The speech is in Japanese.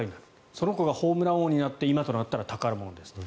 その子がホームラン王になって今となったら宝物ですと。